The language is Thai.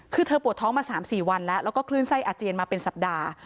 คือเธอปวดท้องมา๓๔วันแล้วแล้วก็คลื่นไส้อาเจียนมาเป็นสัปดาห์